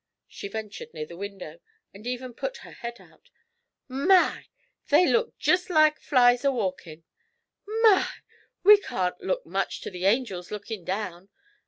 She ventured near the window, and even put her head out. 'My! they look jest like flies a walkin'! My! we can't look much to the angels lookin' down.